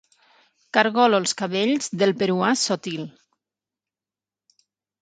Cargolo els cabells del peruà Sotil.